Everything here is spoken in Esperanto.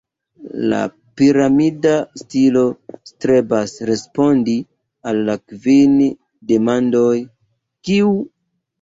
La piramida stilo strebas respondi al la kvin demandoj: Kiu?